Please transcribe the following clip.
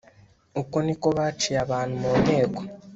uko ni ko baciye abantu mu nteko